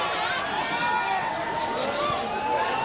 สวัสดีครับ